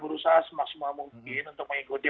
berusaha semaksimal mungkin untuk mengikuti